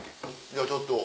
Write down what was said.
じゃあちょっと。